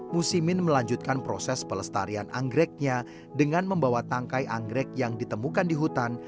musimin melanjutkan proses pelestarian anggreknya dengan membawa tangkai anggrek yang ditemukan di hutan